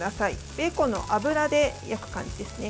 ベーコンの脂で焼く感じですね。